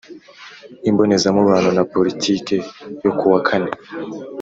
Imbonezamubano na Politiki yo kuwa kane